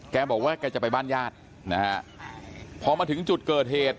แกบอกว่าแกจะไปบ้านญาตินะฮะพอมาถึงจุดเกิดเหตุ